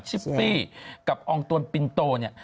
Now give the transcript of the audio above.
ชิปปี้กับอองตวนปินโตเนี่ย